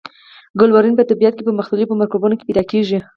کلورین په طبیعت کې په مختلفو مرکبونو کې پیداکیږي.